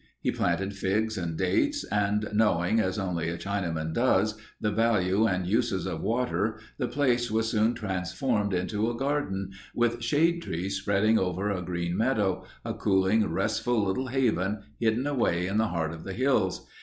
He planted figs and dates and knowing, as only a Chinaman does, the value and uses of water the place was soon transformed into a garden with shade trees spreading over a green meadow—a cooling, restful little haven hidden away in the heart of the hills.